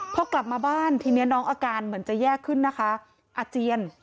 พอกลับมาบ้านทีนี้น้องอาการเหมือนจะแย่ขึ้นนะคะอาเจียน